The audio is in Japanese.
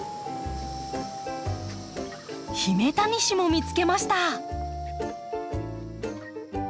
ヒメタニシも見つけました。